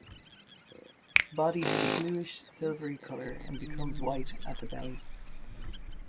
The body has a bluish silvery colour and becomes white at the belly.